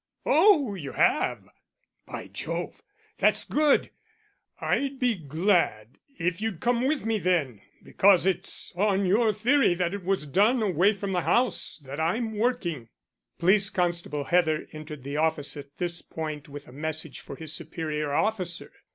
Oh, you have? By Jove, that's good! I'd be glad if you'd come with me then, because it's on your theory that it was done away from the house that I'm working " Police Constable Heather entered the office at this point with a message for his superior officer.